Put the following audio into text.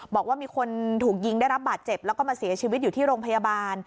บอกว่ามีคนถูกยิงได้รับบาดเจ็บแล้วก็มาเสียชีวิตอยู่ที่โรงพยาบาล